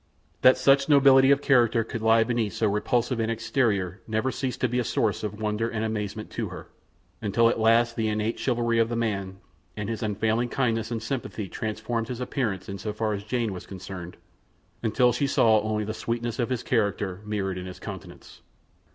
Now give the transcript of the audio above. That such nobility of character could lie beneath so repulsive an exterior never ceased to be a source of wonder and amazement to her, until at last the innate chivalry of the man, and his unfailing kindliness and sympathy transformed his appearance in so far as Jane was concerned until she saw only the sweetness of his character mirrored in his countenance.